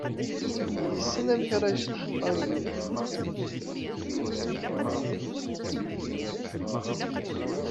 Yessen amek ara yecḍeḥ tango.